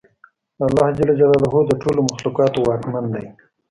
الله د ټولو مخلوقاتو واکمن دی.